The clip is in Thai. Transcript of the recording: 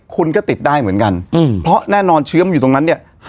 คุณก็ติดได้เหมือนกันเพราะแน่นอนเชื้อมันอยู่ตรงนั้นเนี่ย